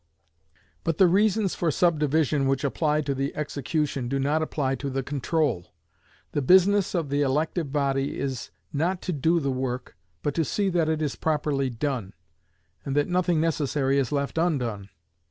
But the reasons for subdivision which apply to the execution do not apply to the control. The business of the elective body is not to do the work, but to see that it is properly done, and that nothing necessary is left undone.